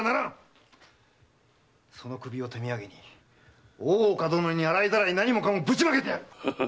その首を手土産に大岡殿に洗いざらい何もかもブチまける！